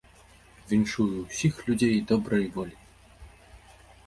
Віншую ўсіх людзей добрай волі!